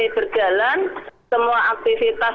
berjalan semua aktivitas